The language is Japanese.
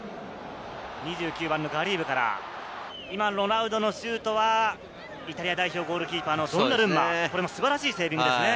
２９番・ガリーブからロナウドのシュートはイタリア代表ゴールキーパーのドンナルンマ、素晴らしいセービングでしたね。